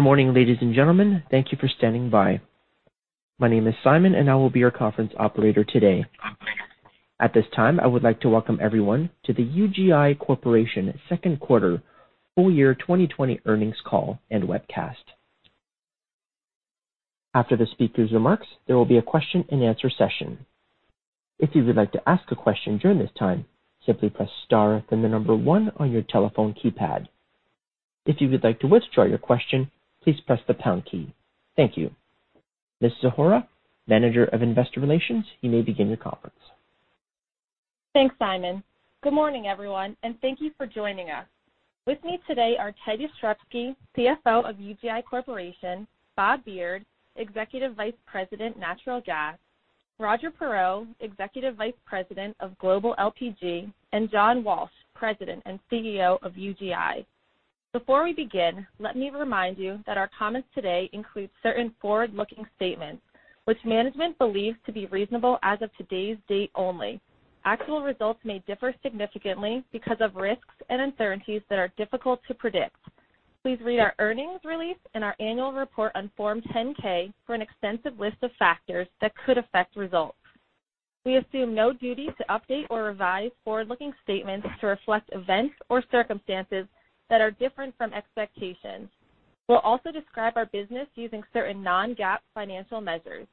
Morning, ladies and gentlemen. Thank you for standing by. My name is Simon and I will be your conference operator today. At this time, I would like to welcome everyone to the UGI Corporation Q2 full-year 2020 earnings call and webcast. After the speaker's remarks, there will be a question-and-answer session. If you would like to ask a question during this time, simply press star, then the number one on your telephone keypad. If you would like to withdraw your question, please press the pound key. Thank you. Ms. Zahora, Manager of Investor Relations, you may begin your conference. Thanks, Simon. Good morning, everyone, and thank you for joining us. With me today are Ted Ostrowski, CFO of UGI Corporation, Bob Beard, Executive Vice President, Natural Gas, Roger Perreault, Executive Vice President of Global LPG, and John Walsh, President and CEO of UGI. Before we begin, let me remind you that our comments today include certain forward-looking statements which management believes to be reasonable as of today's date only. Actual results may differ significantly because of risks and uncertainties that are difficult to predict. Please read our earnings release and our annual report on Form 10-K, for an extensive list of factors that could affect results. We assume no duty to update or revise forward-looking statements to reflect events or circumstances that are different from expectations. We'll also describe our business using certain non-GAAP financial measures.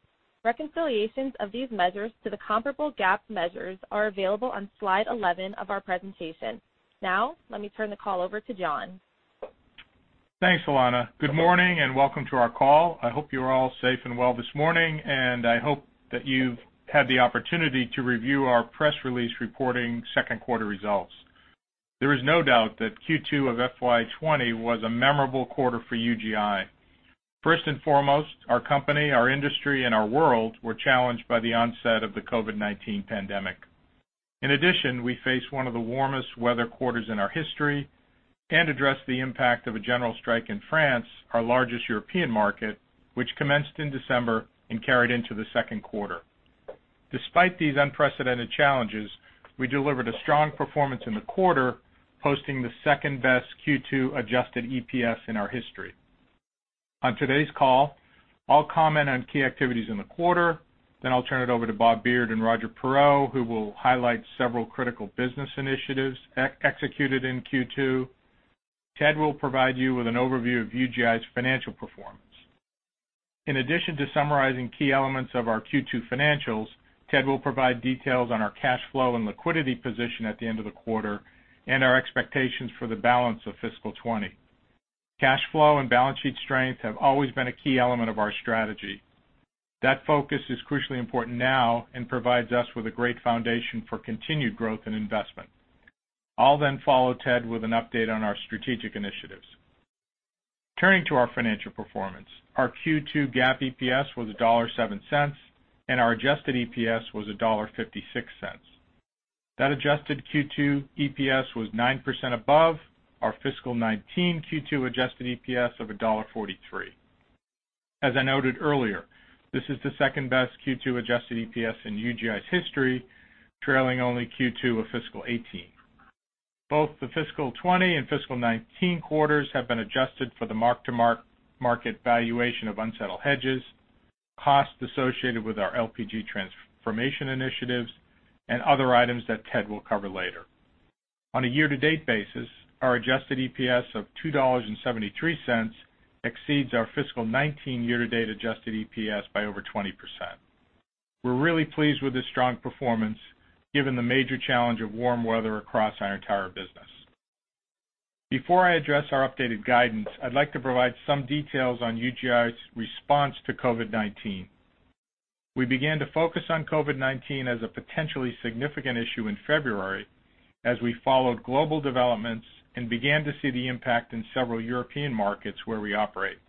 Reconciliations of these measures to the comparable GAAP measures are available on slide 11 of our presentation. Now, let me turn the call over to John. Thanks, Alanna. Good morning and welcome to our call. I hope you're all safe and well this morning, and I hope that you've had the opportunity to review our press release reporting Q2 results. There is no doubt that Q2 of FY 2020 was a memorable quarter for UGI. First and foremost, our company, our industry, and our world were challenged by the onset of the COVID-19 pandemic. In addition, we faced one of the warmest weather quarters in our history and addressed the impact of a general strike in France, our largest European market, which commenced in December and carried into the Q2. Despite these unprecedented challenges, we delivered a strong performance in the quarter, posting the second-best Q2 adjusted EPS in our history. On today's call, I'll comment on key activities in the quarter, then I'll turn it over to Bob Beard and Roger Perreault, who will highlight several critical business initiatives executed in Q2. Ted will provide you with an overview of UGI's financial performance. In addition to summarizing key elements of our Q2 financials, Ted will provide details on our cash flow and liquidity position at the end of the quarter and our expectations for the balance of fiscal 2020. Cash flow and balance sheet strength have always been a key element of our strategy. That focus is crucially important now and provides us with a great foundation for continued growth and investment. I'll follow Ted with an update on our strategic initiatives. Turning to our financial performance. Our Q2 GAAP EPS was $1.07, and our adjusted EPS was $1.56. That adjusted Q2 EPS was 9% above our fiscal 2019 Q2 adjusted EPS of $1.43. As I noted earlier, this is the second-best Q2 adjusted EPS in UGI's history, trailing only Q2 of fiscal 2018. Both the fiscal 2020 and fiscal 2019 quarters have been adjusted for the mark-to-market valuation of unsettled hedges, costs associated with our LPG transformation initiatives, and other items that Ted will cover later. On a year-to-date basis, our adjusted EPS of $2.73 exceeds our fiscal 2019 year-to-date adjusted EPS by over 20%. We're really pleased with this strong performance given the major challenge of warm weather across our entire business. Before I address our updated guidance, I'd like to provide some details on UGI's response to COVID-19. We began to focus on COVID-19 as a potentially significant issue in February as we followed global developments and began to see the impact in several European markets where we operate.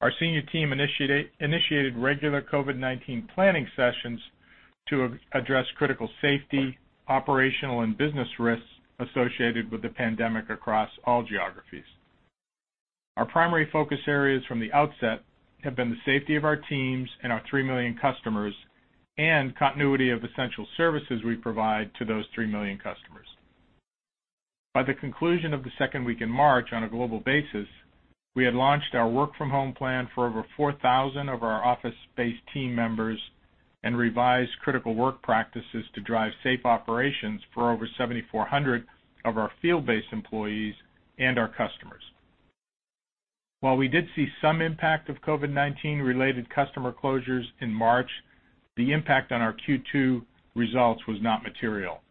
Our senior team initiated regular COVID-19 planning sessions to address critical safety, operational, and business risks associated with the pandemic across all geographies. Our primary focus areas from the outset have been the safety of our teams and our 3 million customers and continuity of essential services we provide to those 3 million customers. By the conclusion of the second week in March on a global basis, we had launched our work-from-home plan for over 4,000 of our office-based team members and revised critical work practices to drive safe operations for over 7,400 of our field-based employees and our customers. While we did see some impact of COVID-19-related customer closures in March, the impact on our Q2 results was not material.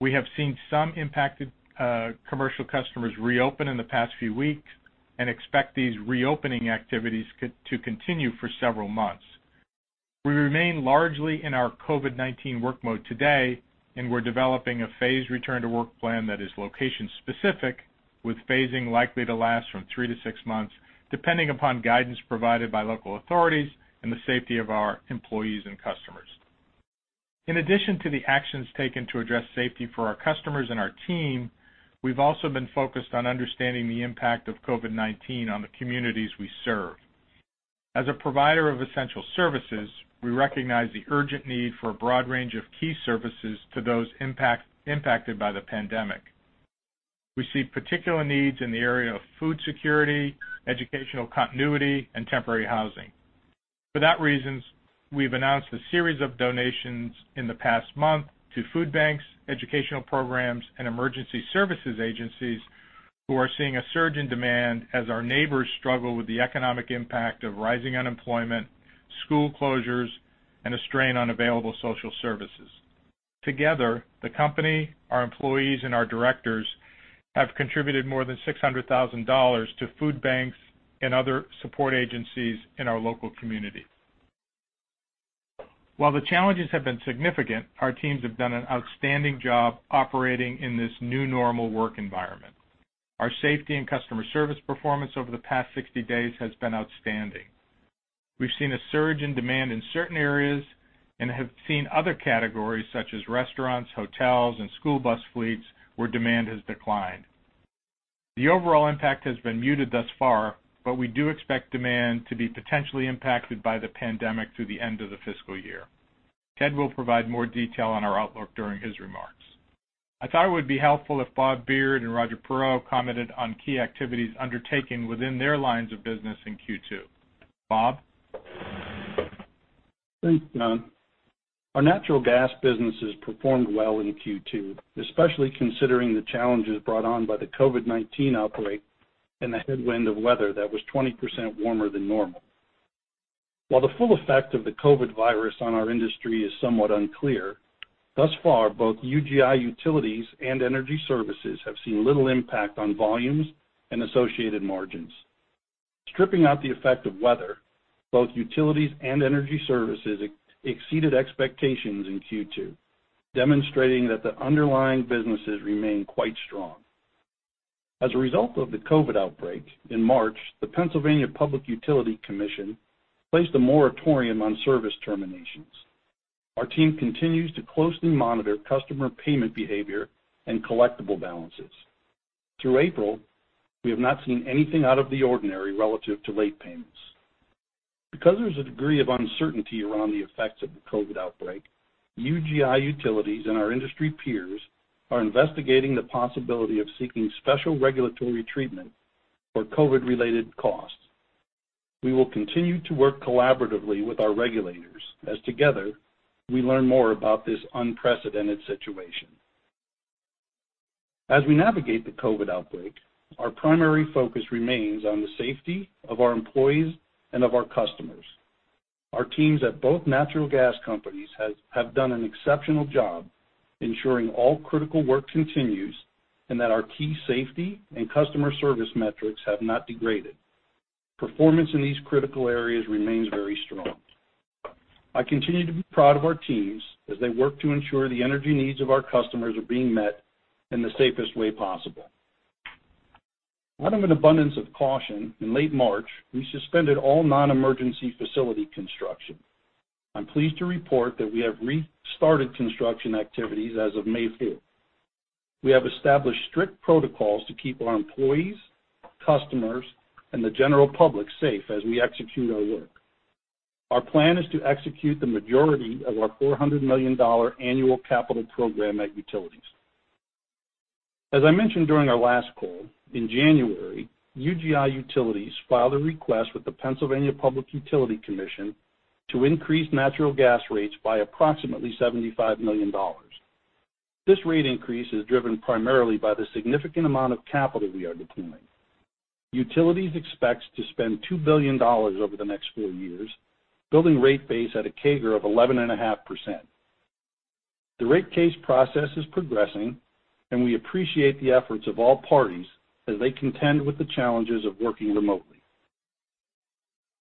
We have seen some impacted commercial customers reopen in the past few weeks and expect these reopening activities to continue for several months. We remain largely in our COVID-19 work mode today. We're developing a phased return-to-work plan that is location-specific, with phasing likely to last from three to six months, depending upon guidance provided by local authorities and the safety of our employees and customers. In addition to the actions taken to address safety for our customers and our team, we've also been focused on understanding the impact of COVID-19 on the communities we serve. As a provider of essential services, we recognize the urgent need for a broad range of key services to those impacted by the pandemic. We see particular needs in the area of food security, educational continuity, and temporary housing. For those reasons, we've announced a series of donations in the past month to food banks, educational programs, and emergency services agencies who are seeing a surge in demand as our neighbors struggle with the economic impact of rising unemployment, school closures, and a strain on available social services. Together, the company, our employees, and our directors have contributed more than $600,000 to food banks and other support agencies in our local community. While the challenges have been significant, our teams have done an outstanding job operating in this new normal work environment. Our safety and customer service performance over the past 60 days has been outstanding. We've seen a surge in demand in certain areas and have seen other categories such as restaurants, hotels, and school bus fleets where demand has declined. The overall impact has been muted thus far. We do expect demand to be potentially impacted by the pandemic through the end of the fiscal year. Ted will provide more detail on our outlook during his remarks. I thought it would be helpful if Bob Beard and Roger Perreault commented on key activities undertaken within their lines of business in Q2. Bob? Thanks, John. Our natural gas businesses performed well in Q2, especially considering the challenges brought on by the COVID virus outbreak and the headwind of weather that was 20% warmer than normal. While the full effect of the COVID virus on our industry is somewhat unclear, thus far, both UGI Utilities and Energy Services have seen little impact on volumes and associated margins. Stripping out the effect of weather, both UGI Utilities and Energy Services exceeded expectations in Q2, demonstrating that the underlying businesses remain quite strong. As a result of the COVID outbreak, in March, the Pennsylvania Public Utility Commission placed a moratorium on service terminations. Our team continues to closely monitor customer payment behavior and collectible balances. Through April, we have not seen anything out of the ordinary relative to late payments. Because there's a degree of uncertainty around the effects of the COVID-19 outbreak, UGI Utilities and our industry peers are investigating the possibility of seeking special regulatory treatment for COVID-19-related costs. We will continue to work collaboratively with our regulators as together we learn more about this unprecedented situation. As we navigate the COVID-19 outbreak, our primary focus remains on the safety of our employees and of our customers. Our teams at both natural gas companies have done an exceptional job ensuring all critical work continues and that our key safety and customer service metrics have not degraded. Performance in these critical areas remains very strong. I continue to be proud of our teams as they work to ensure the energy needs of our customers are being met in the safest way possible. Out of an abundance of caution, in late March, we suspended all non-emergency facility construction. I'm pleased to report that we have restarted construction activities as of May 5th. We have established strict protocols to keep our employees, customers, and the general public safe as we execute our work. Our plan is to execute the majority of our $400 million annual capital program at Utilities. As I mentioned during our last call, in January, UGI Utilities filed a request with the Pennsylvania Public Utility Commission to increase natural gas rates by approximately $75 million. This rate increase is driven primarily by the significant amount of capital we are deploying. Utilities expects to spend $2 billion over the next four years, building rate base at a CAGR of 11.5%. The rate case process is progressing, and we appreciate the efforts of all parties as they contend with the challenges of working remotely.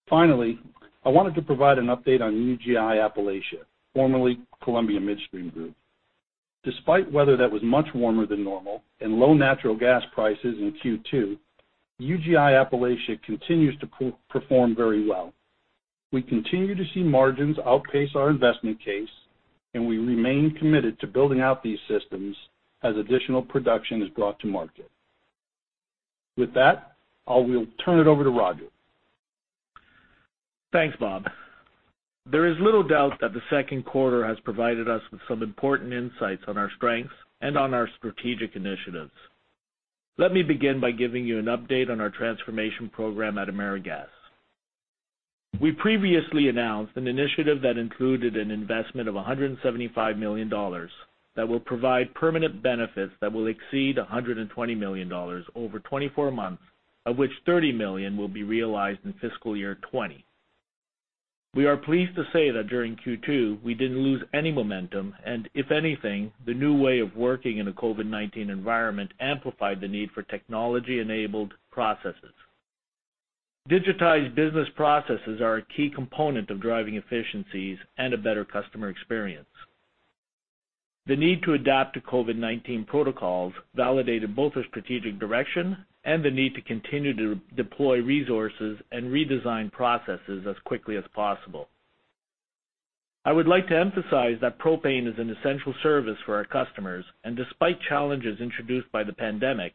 Finally, I wanted to provide an update on UGI Appalachia, formerly Columbia Midstream Group. Despite weather that was much warmer than normal and low natural gas prices in Q2, UGI Appalachia continues to perform very well. We continue to see margins outpace our investment case, and we remain committed to building out these systems as additional production is brought to market. With that, I will turn it over to Roger. Thanks, Bob. There is little doubt that the Q2 has provided us with some important insights on our strengths and on our strategic initiatives. Let me begin by giving you an update on our transformation program at AmeriGas. We previously announced an initiative that included an investment of $175 million that will provide permanent benefits that will exceed $120 million over 24 months, of which $30 million will be realized in fiscal year 2020. We are pleased to say that during Q2, we didn't lose any momentum, and if anything, the new way of working in a COVID-19 environment amplified the need for technology-enabled processes. Digitized business processes are a key component of driving efficiencies and a better customer experience. The need to adapt to COVID-19 protocols validated both our strategic direction and the need to continue to deploy resources and redesign processes as quickly as possible. I would like to emphasize that propane is an essential service for our customers, and despite challenges introduced by the pandemic,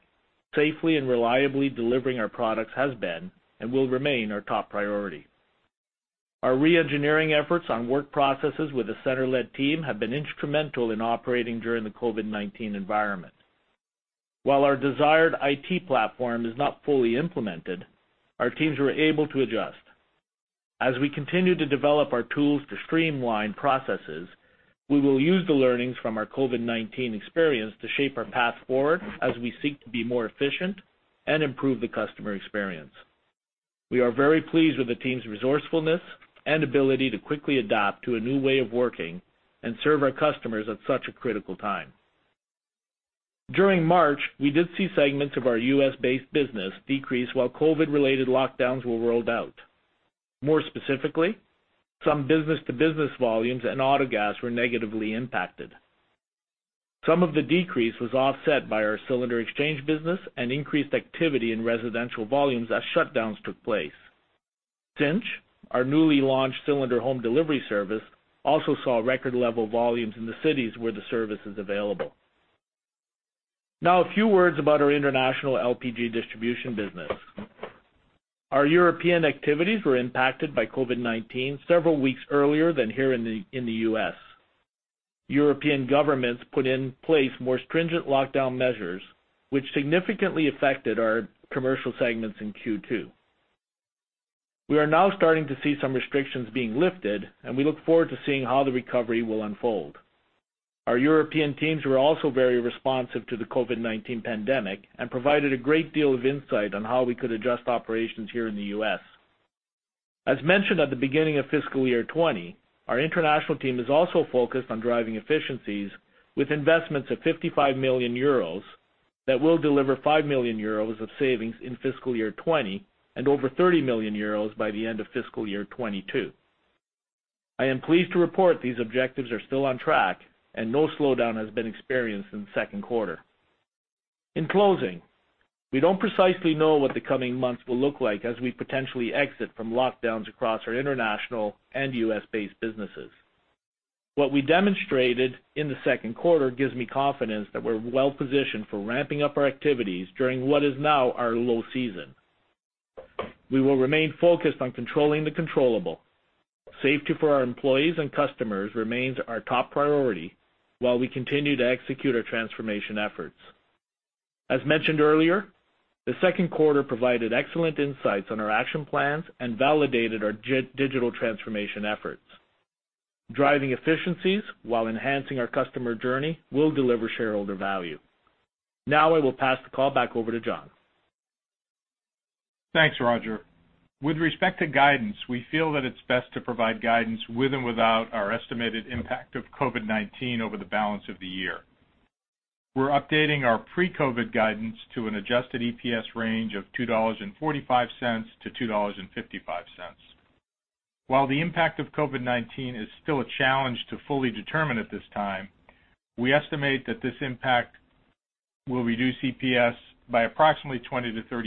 safely and reliably delivering our products has been and will remain our top priority. Our re-engineering efforts on work processes with a center-led team have been instrumental in operating during the COVID-19 environment. While our desired IT platform is not fully implemented, our teams were able to adjust. As we continue to develop our tools to streamline processes, we will use the learnings from our COVID-19 experience to shape our path forward as we seek to be more efficient and improve the customer experience. We are very pleased with the team's resourcefulness and ability to quickly adapt to a new way of working and serve our customers at such a critical time. During March, we did see segments of our U.S.-based business decrease while COVID-19-related lockdowns were rolled out. More specifically, some business-to-business volumes and autogas were negatively impacted. Some of the decrease was offset by our cylinder exchange business and increased activity in residential volumes as shutdowns took place. Cynch, our newly launched cylinder home delivery service, also saw record level volumes in the cities where the service is available. A few words about our international LPG distribution business. Our European activities were impacted by COVID-19 several weeks earlier than here in the U.S. European governments put in place more stringent lockdown measures, which significantly affected our commercial segments in Q2. We are now starting to see some restrictions being lifted. We look forward to seeing how the recovery will unfold. Our European teams were also very responsive to the COVID-19 pandemic and provided a great deal of insight on how we could adjust operations here in the U.S. As mentioned at the beginning of fiscal year 2020, our international team is also focused on driving efficiencies with investments of 55 million euros that will deliver 5 million euros of savings in fiscal year 2020 and over 30 million euros by the end of fiscal year 2022. I am pleased to report these objectives are still on track. No slowdown has been experienced in the Q2. In closing, we don't precisely know what the coming months will look like as we potentially exit from lockdowns across our international and U.S.-based businesses. What we demonstrated in the second quarter gives me confidence that we're well-positioned for ramping up our activities during what is now our low season. We will remain focused on controlling the controllable. Safety for our employees and customers remains our top priority while we continue to execute our transformation efforts. As mentioned earlier, the Q2 provided excellent insights on our action plans and validated our digital transformation efforts. Driving efficiencies while enhancing our customer journey will deliver shareholder value. I will pass the call back over to John. Thanks, Roger. With respect to guidance, we feel that it's best to provide guidance with and without our estimated impact of COVID-19 over the balance of the year. We're updating our pre-COVID guidance to an adjusted EPS range of $2.45-$2.55. While the impact of COVID-19 is still a challenge to fully determine at this time, we estimate that this impact will reduce EPS by approximately $0.20-$0.30 over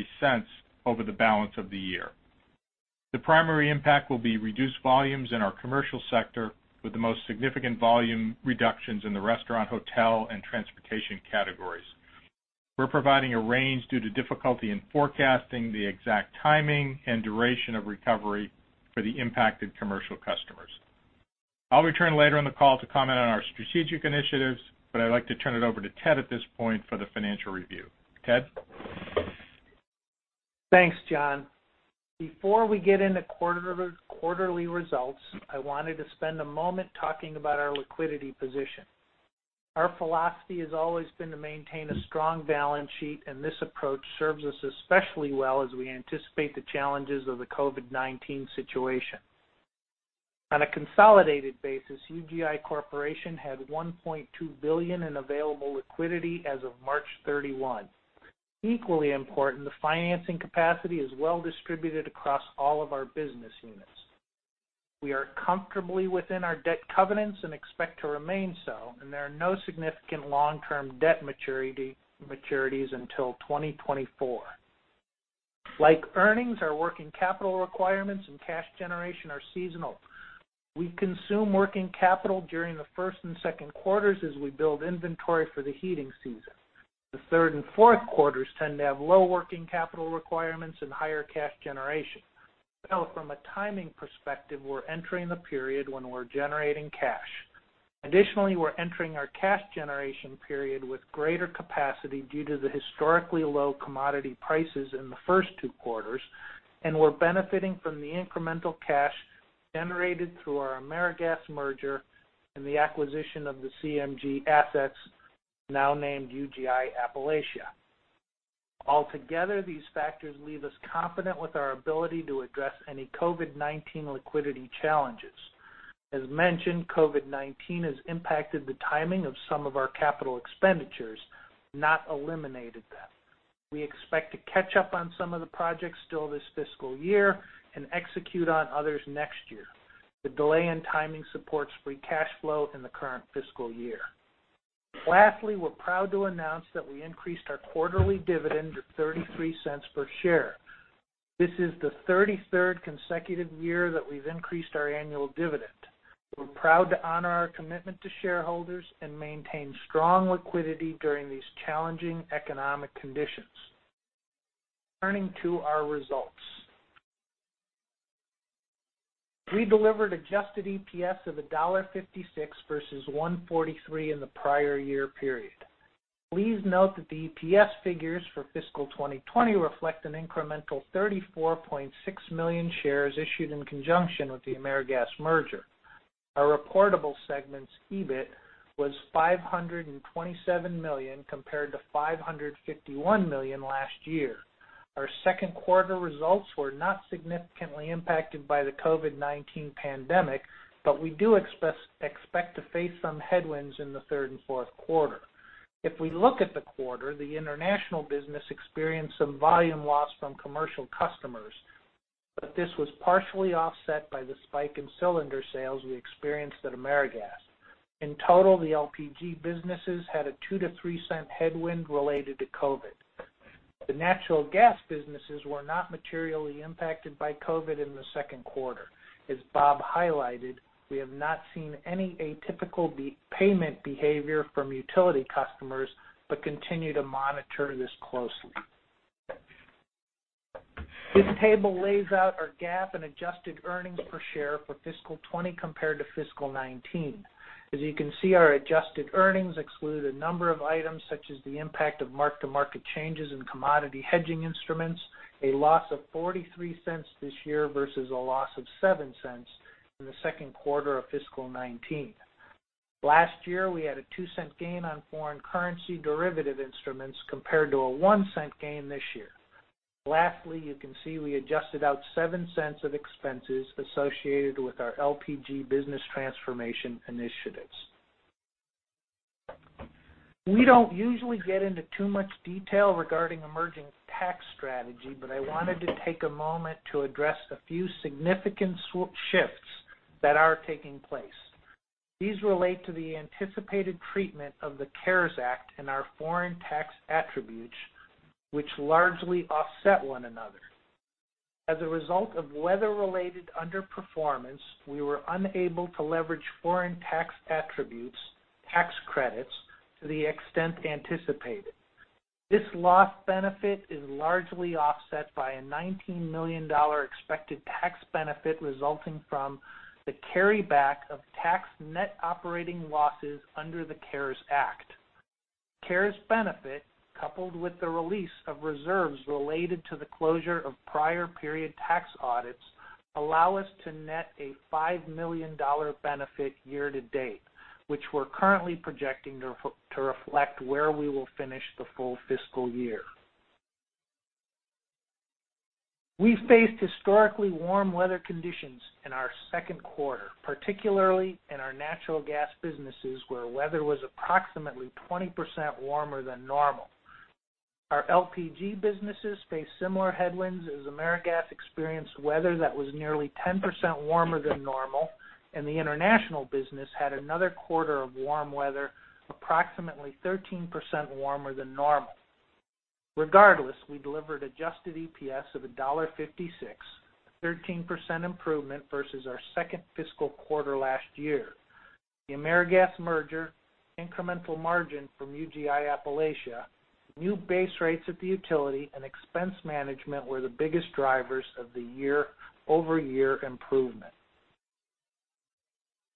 the balance of the year. The primary impact will be reduced volumes in our commercial sector, with the most significant volume reductions in the restaurant, hotel, and transportation categories. We're providing a range due to difficulty in forecasting the exact timing and duration of recovery for the impacted commercial customers. I'll return later in the call to comment on our strategic initiatives, but I'd like to turn it over to Ted at this point for the financial review. Ted? Thanks, John. Before we get into quarterly results, I wanted to spend a moment talking about our liquidity position. Our philosophy has always been to maintain a strong balance sheet, and this approach serves us especially well as we anticipate the challenges of the COVID-19 situation. On a consolidated basis, UGI Corporation had $1.2 billion in available liquidity as of March 31. Equally important, the financing capacity is well distributed across all of our business units. We are comfortably within our debt covenants and expect to remain so, and there are no significant long-term debt maturities until 2024. Like earnings, our working capital requirements and cash generation are seasonal. We consume working capital during the Q1 and Q2 as we build inventory for the heating season. The Q3 and Q4 tend to have low working capital requirements and higher cash generation. From a timing perspective, we're entering the period when we're generating cash. Additionally, we're entering our cash generation period with greater capacity due to the historically low commodity prices in the first two quarters, and we're benefiting from the incremental cash generated through our AmeriGas merger and the acquisition of the CMG assets now named UGI Appalachia. Altogether, these factors leave us confident with our ability to address any COVID-19 liquidity challenges. As mentioned, COVID-19 has impacted the timing of some of our capital expenditures, not eliminated them. We expect to catch up on some of the projects still this fiscal year and execute on others next year. The delay in timing supports free cash flow in the current fiscal year. Lastly, we're proud to announce that we increased our quarterly dividend to $0.33 per share. This is the 33rd consecutive year that we've increased our annual dividend. We're proud to honor our commitment to shareholders and maintain strong liquidity during these challenging economic conditions. Turning to our results. We delivered adjusted EPS of $1.56 versus $1.43 in the prior year period. Please note that the EPS figures for fiscal 2020 reflect an incremental 34.6 million shares issued in conjunction with the AmeriGas merger. Our reportable segment's EBIT was $527 million compared to $551 million last year. Our Q2 results were not significantly impacted by the COVID-19 pandemic, but we do expect to face some headwinds in the Q3 and Q4. If we look at the quarter, the international business experienced some volume loss from commercial customers, but this was partially offset by the spike in cylinder sales we experienced at AmeriGas. In total, the LPG businesses had a $0.02-$0.03 headwind related to COVID. The natural gas businesses were not materially impacted by COVID in the Q2. As Bob highlighted, we have not seen any atypical payment behavior from utility customers but continue to monitor this closely. This table lays out our GAAP and adjusted earnings per share for fiscal 2020 compared to fiscal 2019. As you can see, our adjusted earnings exclude a number of items, such as the impact of mark-to-market changes in commodity hedging instruments, a loss of $0.43 this year versus a loss of $0.07 in the Q2 of fiscal 2019. Last year, we had a $0.02 gain on foreign currency derivative instruments compared to a $0.01 gain this year. Lastly, you can see we adjusted out $0.07 of expenses associated with our LPG business transformation initiatives. We don't usually get into too much detail regarding emerging tax strategy, but I wanted to take a moment to address a few significant shifts that are taking place. These relate to the anticipated treatment of the CARES Act and our foreign tax attributes, which largely offset one another. As a result of weather-related underperformance, we were unable to leverage foreign tax attributes, tax credits to the extent anticipated. This lost benefit is largely offset by a $19 million expected tax benefit resulting from the carryback of tax net operating losses under the CARES Act. CARES benefit, coupled with the release of reserves related to the closure of prior period tax audits, allow us to net a $5 million benefit year-to-date, which we're currently projecting to reflect where we will finish the full fiscal year. We faced historically warm weather conditions in our Q2, particularly in our natural gas businesses, where weather was approximately 20% warmer than normal. Our LPG businesses faced similar headwinds as AmeriGas experienced weather that was nearly 10% warmer than normal, and the international business had another quarter of warm weather, approximately 13% warmer than normal. Regardless, we delivered adjusted EPS of $1.56, a 13% improvement versus our second fiscal quarter last year. The AmeriGas merger, incremental margin from UGI Appalachia, new base rates at the utility, and expense management were the biggest drivers of the year-over-year improvement.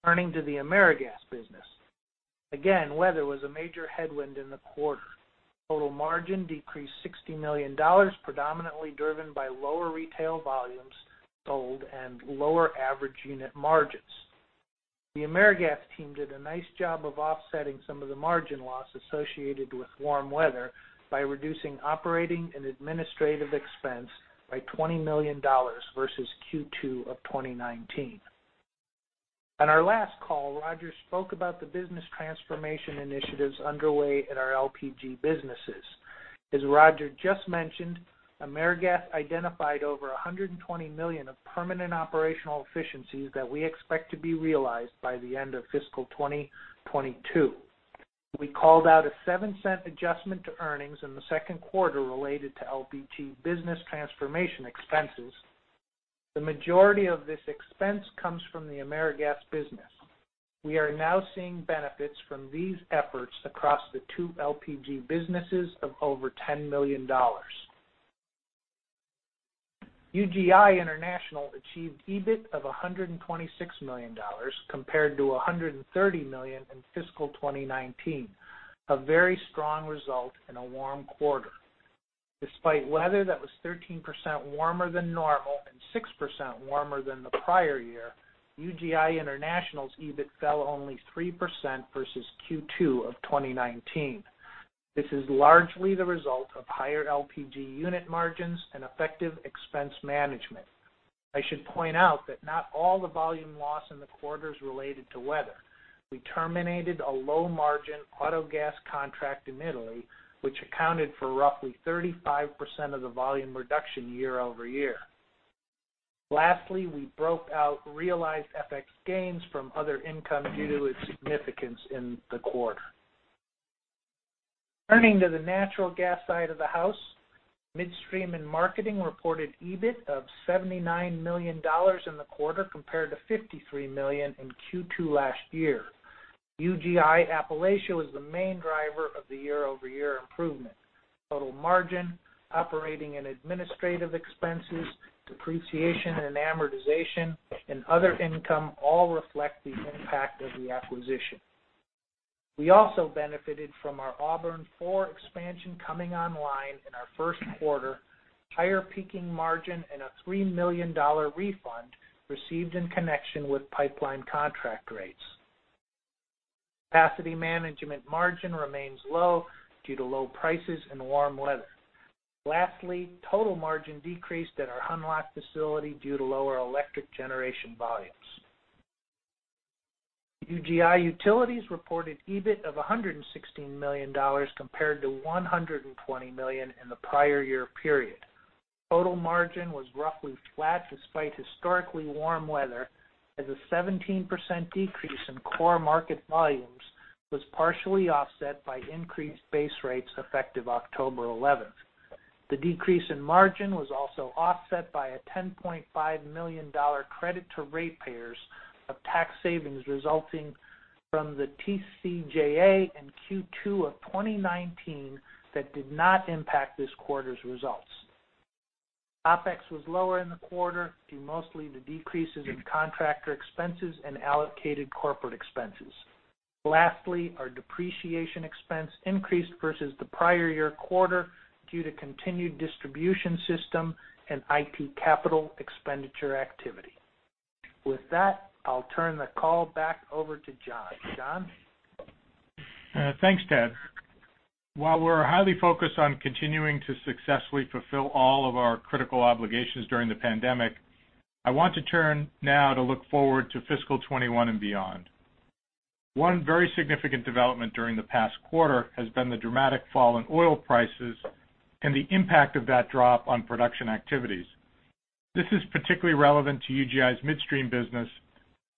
Turning to the AmeriGas business. Again, weather was a major headwind in the quarter. Total margin decreased $60 million, predominantly driven by lower retail volumes sold and lower average unit margins. The AmeriGas team did a nice job of offsetting some of the margin loss associated with warm weather by reducing operating and administrative expense by $20 million versus Q2 of 2019. On our last call, Roger spoke about the business transformation initiatives underway at our LPG businesses. As Roger just mentioned, AmeriGas identified over $120 million of permanent operational efficiencies that we expect to be realized by the end of fiscal 2022. We called out a $0.07 adjustment to earnings in the Q2 related to LPG business transformation expenses. The majority of this expense comes from the AmeriGas business. We are now seeing benefits from these efforts across the two LPG businesses of over $10 million. UGI International achieved EBIT of $126 million compared to $130 million in fiscal 2019, a very strong result in a warm quarter. Despite weather that was 13% warmer than normal and 6% warmer than the prior year, UGI International's EBIT fell only 3% versus Q2 of 2019. This is largely the result of higher LPG unit margins and effective expense management. I should point out that not all the volume loss in the quarter is related to weather. We terminated a low-margin autogas contract in Italy, which accounted for roughly 35% of the volume reduction year-over-year. We broke out realized FX gains from other income due to its significance in the quarter. Turning to the natural gas side of the house, Midstream & Marketing reported EBIT of $79 million in the quarter compared to $53 million in Q2 last year. UGI Appalachia was the main driver of the year-over-year improvement. Total margin, operating and administrative expenses, depreciation and amortization, and other income all reflect the impact of the acquisition. We also benefited from our Auburn IV expansion coming online in our Q1, higher peaking margin and a $3 million refund received in connection with pipeline contract rates. Capacity management margin remains low due to low prices and warm weather. Lastly, total margin decreased at our Hunlock facility due to lower electric generation volumes. UGI Utilities reported EBIT of $116 million compared to $120 million in the prior year period. Total margin was roughly flat despite historically warm weather, as a 17% decrease in core market volumes was partially offset by increased base rates effective October 11th. The decrease in margin was also offset by a $10.5 million credit to ratepayers of tax savings resulting from the TCJA in Q2 of 2019 that did not impact this quarter's results. OPEX was lower in the quarter, due mostly to decreases in contractor expenses and allocated corporate expenses. Our depreciation expense increased versus the prior year quarter due to continued distribution system and IT capital expenditure activity. With that, I'll turn the call back over to John. John? Thanks, Ted. While we're highly focused on continuing to successfully fulfill all of our critical obligations during the pandemic, I want to turn now to look forward to fiscal 2021 and beyond. One very significant development during the past quarter has been the dramatic fall in oil prices and the impact of that drop on production activities. This is particularly relevant to UGI's midstream business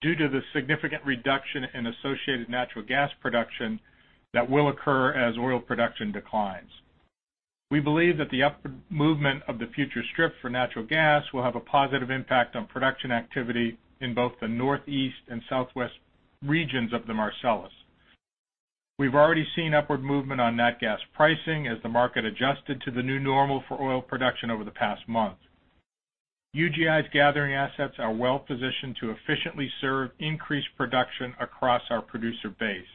due to the significant reduction in associated natural gas production that will occur as oil production declines. We believe that the upward movement of the future strip for natural gas will have a positive impact on production activity in both the Northeast and Southwest regions of the Marcellus. We've already seen upward movement on net gas pricing as the market adjusted to the new normal for oil production over the past month. UGI's gathering assets are well-positioned to efficiently serve increased production across our producer base.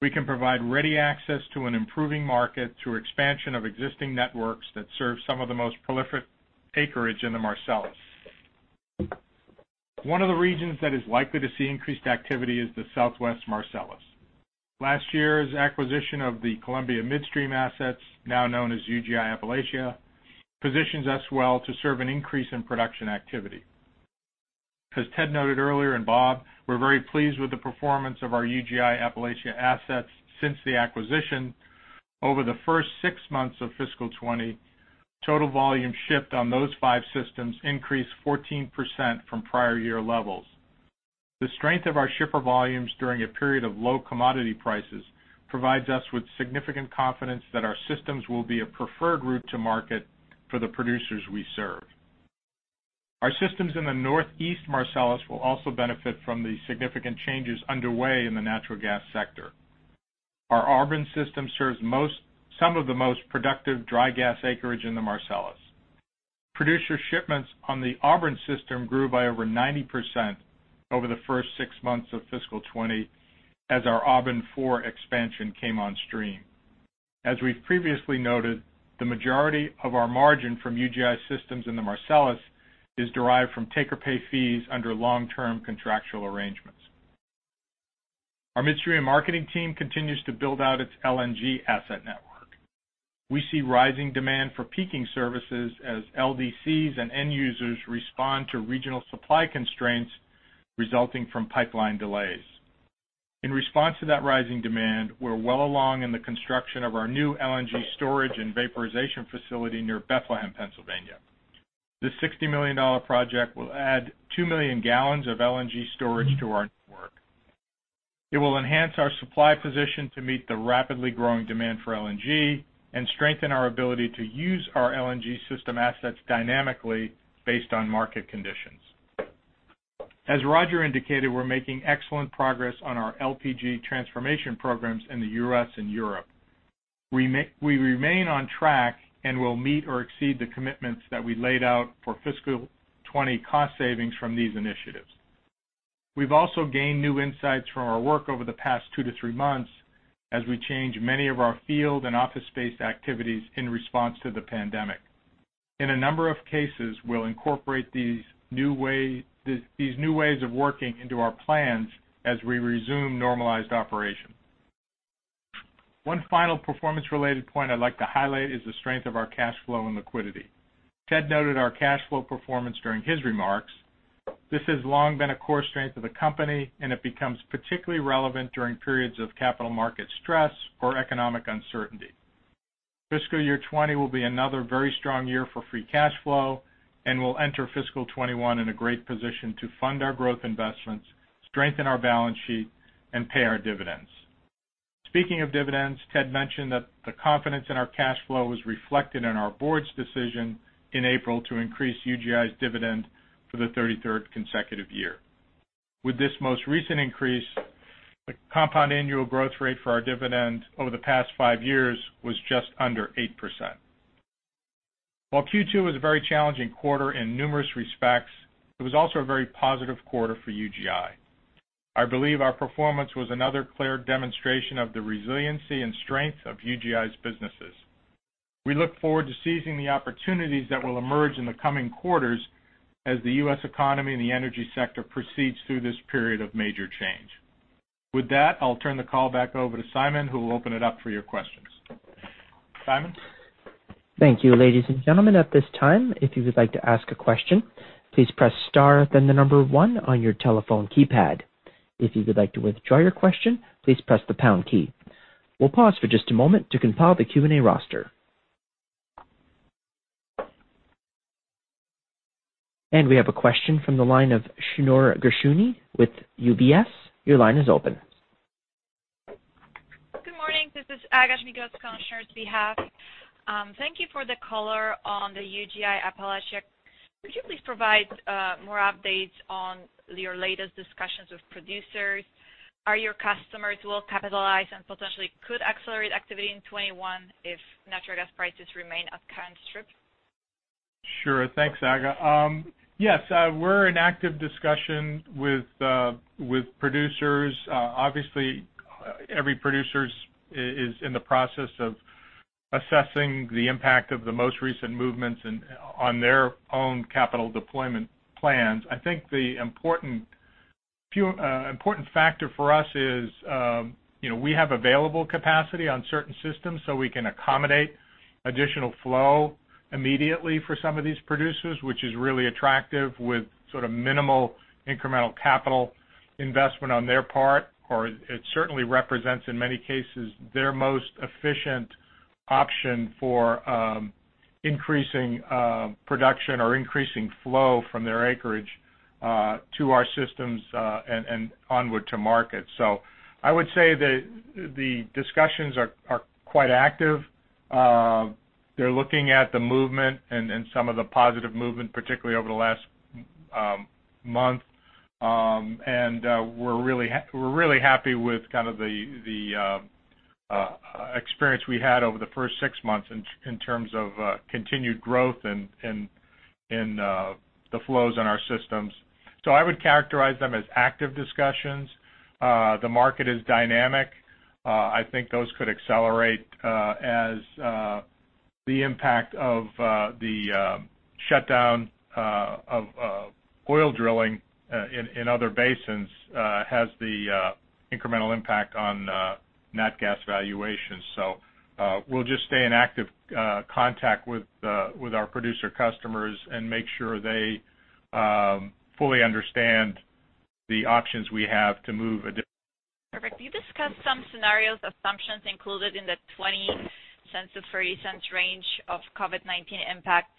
We can provide ready access to an improving market through expansion of existing networks that serve some of the most prolific acreage in the Marcellus. One of the regions that is likely to see increased activity is the Southwest Marcellus. Last year's acquisition of the Columbia Midstream assets, now known as UGI Appalachia, positions us well to serve an increase in production activity. As Ted noted earlier, and Bob, we're very pleased with the performance of our UGI Appalachia assets since the acquisition. Over the first six months of fiscal 2020, total volume shipped on those five systems increased 14% from prior year levels. The strength of our shipper volumes during a period of low commodity prices provides us with significant confidence that our systems will be a preferred route to market for the producers we serve. Our systems in the Northeast Marcellus will also benefit from the significant changes underway in the natural gas sector. Our Auburn system serves some of the most productive dry gas acreage in the Marcellus. Producer shipments on the Auburn system grew by over 90% over the first six months of fiscal 2020 as our Auburn IV expansion came on stream. As we've previously noted, the majority of our margin from UGI systems in the Marcellus is derived from take-or-pay fees under long-term contractual arrangements. Our midstream marketing team continues to build out its LNG asset network. We see rising demand for peaking services as LDCs and end users respond to regional supply constraints resulting from pipeline delays. In response to that rising demand, we're well along in the construction of our new LNG storage and vaporization facility near Bethlehem, Pennsylvania. This $60 million project will add 2 million gallons of LNG storage to our network. It will enhance our supply position to meet the rapidly growing demand for LNG and strengthen our ability to use our LNG system assets dynamically based on market conditions. As Roger indicated, we're making excellent progress on our LPG transformation programs in the U.S. and Europe. We remain on track and will meet or exceed the commitments that we laid out for fiscal 2020 cost savings from these initiatives. We've also gained new insights from our work over the past two to three months as we change many of our field and office space activities in response to the pandemic. In a number of cases, we'll incorporate these new ways of working into our plans as we resume normalized operation. One final performance-related point I'd like to highlight is the strength of our cash flow and liquidity. Ted noted our cash flow performance during his remarks. This has long been a core strength of the company, and it becomes particularly relevant during periods of capital market stress or economic uncertainty. Fiscal year 2020 will be another very strong year for free cash flow, and we'll enter fiscal 2021 in a great position to fund our growth investments, strengthen our balance sheet, and pay our dividends. Speaking of dividends, Ted mentioned that the confidence in our cash flow was reflected in our board's decision in April to increase UGI's dividend for the 33rd consecutive year. With this most recent increase, the compound annual growth rate for our dividend over the past five years was just under 8%. While Q2 was a very challenging quarter in numerous respects, it was also a very positive quarter for UGI. I believe our performance was another clear demonstration of the resiliency and strength of UGI's businesses. We look forward to seizing the opportunities that will emerge in the coming quarters as the U.S. economy and the energy sector proceeds through this period of major change. With that, I'll turn the call back over to Simon, who will open it up for your questions. Simon? Thank you. Ladies and gentlemen, at this time, if you would like to ask a question, please press star then the number one on your telephone keypad. If you would like to withdraw your question, please press the pound key. We'll pause for just a moment to compile the Q&A roster. We have a question from the line of Shneur Gershuni with UBS. Your line is open. Good morning. This is Aga Ghashuni on Shneur's behalf. Thank you for the color on the UGI Appalachia. Could you please provide more updates on your latest discussions with producers? Are your customers well-capitalized and potentially could accelerate activity in 2021 if natural gas prices remain at current strip? Sure. Thanks, Aga. We're in active discussion with producers. Every producer is in the process of assessing the impact of the most recent movements on their own capital deployment plans. I think the important factor for us is we have available capacity on certain systems, we can accommodate additional flow immediately for some of these producers, which is really attractive with minimal incremental capital investment on their part. It certainly represents, in many cases, their most efficient option for increasing production or increasing flow from their acreage to our systems and onward to market. I would say that the discussions are quite active. They're looking at the movement and some of the positive movement, particularly over the last month. We're really happy with kind of the experience we had over the first six months in terms of continued growth in the flows in our systems. I would characterize them as active discussions. The market is dynamic. I think those could accelerate as the impact of the shutdown of oil drilling in other basins has the incremental impact on nat gas valuations. We'll just stay in active contact with our producer customers and make sure they fully understand the options we have to move. Perfect. You discussed some scenarios, assumptions included in the $0.20-$0.30 range of COVID-19 impact.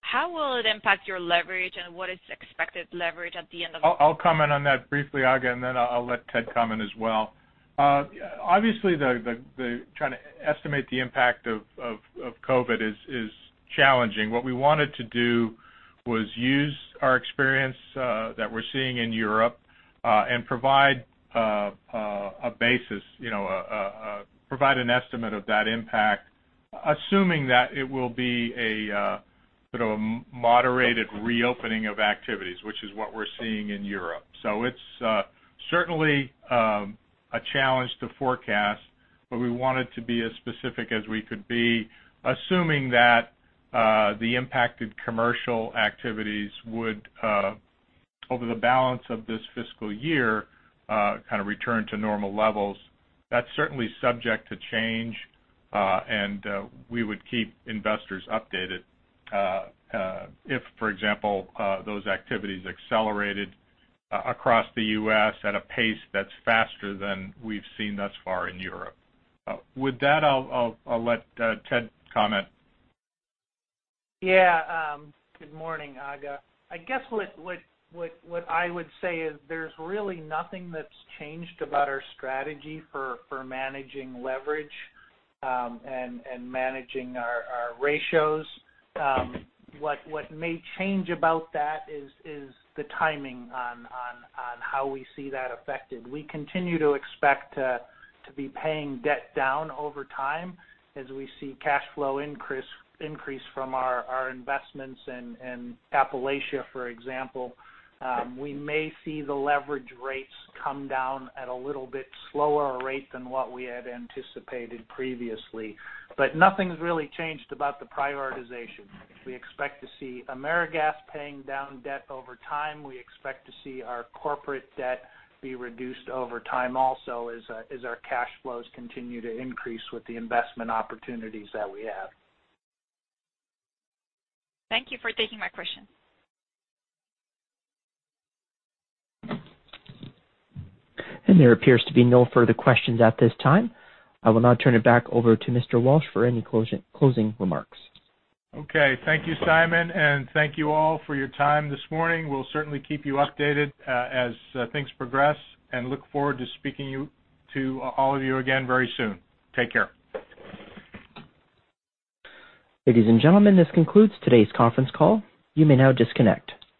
How will it impact your leverage, and what is expected leverage at the end of-? I'll comment on that briefly, Aga, and then I'll let Ted comment as well. Obviously, trying to estimate the impact of COVID-19 is challenging. What we wanted to do was use our experience that we're seeing in Europe, and provide an estimate of that impact, assuming that it will be a sort of moderated reopening of activities, which is what we're seeing in Europe. It's certainly a challenge to forecast, but we wanted to be as specific as we could be, assuming that the impacted commercial activities would, over the balance of this fiscal year, kind of return to normal levels. That's certainly subject to change. We would keep investors updated if, for example, those activities accelerated across the U.S. at a pace that's faster than we've seen thus far in Europe. With that, I'll let Ted comment. Good morning, Aga. I guess what I would say is there's really nothing that's changed about our strategy for managing leverage and managing our ratios. What may change about that is the timing on how we see that affected. We continue to expect to be paying debt down over time as we see cash flow increase from our investments in Appalachia, for example. We may see the leverage rates come down at a little bit slower rate than what we had anticipated previously. Nothing's really changed about the prioritization. We expect to see AmeriGas paying down debt over time. We expect to see our corporate debt be reduced over time also, as our cash flows continue to increase with the investment opportunities that we have. Thank you for taking my question. There appears to be no further questions at this time. I will now turn it back over to Mr. Walsh for any closing remarks. Okay. Thank you, Simon, and thank you all for your time this morning. We'll certainly keep you updated as things progress, and look forward to speaking to all of you again very soon. Take care. Ladies and gentlemen, this concludes today's conference call. You may now disconnect.